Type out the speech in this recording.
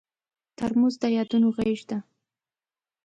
ترموز د یادونو غېږ ده.